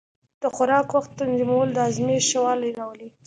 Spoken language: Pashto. د خوراک وخت تنظیمول د هاضمې ښه والی راولي.